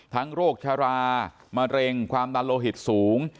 โรคชะลามะเร็งความดันโลหิตสูง